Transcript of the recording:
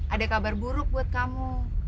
ada kabar buruk buat kamu